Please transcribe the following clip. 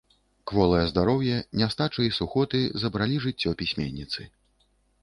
Кволае здароўе, нястача і сухоты забралі жыццё пісьменніцы.